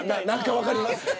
何か分かります。